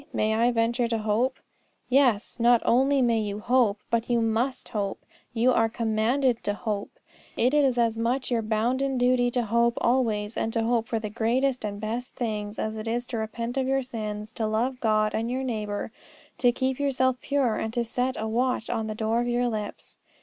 May I venture to hope? Yes; not only may you hope, but you must hope. You are commanded to hope. It is as much your bounden duty to hope always, and to hope for the greatest and best things, as it is to repent of your sins, to love God and your neighbour, to keep yourself pure, and to set a watch on the door of your lips.